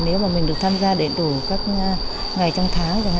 nếu mà mình được tham gia đầy đủ các ngày trong tháng